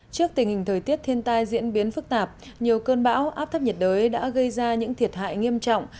trước tình hình thời tiết thiên tai diễn biến phức tạp nhiều cơn bão áp thấp nhiệt đới đã gây ra những thiệt hại nghiêm trọng